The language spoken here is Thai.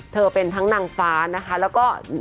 เธอเป็นทั้งนางฟ้านะคะแล้วก็